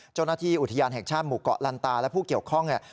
เจ้าหน้าที่อุทยานแห่งชาติหมู่เกาะลันตาและผู้เกี่ยวข้องเนี่ย